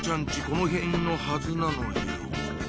この辺のはずなのよ